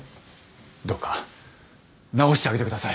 どうか治してあげてください。